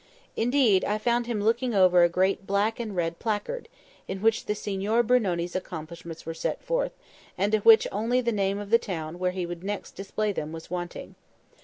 Indeed, I found him looking over a great black and red placard, in which the Signor Brunoni's accomplishments were set forth, and to which only the name of the town where he would next display them was wanting.